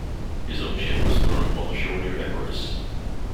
His own ship was thrown upon the shore near Epirus.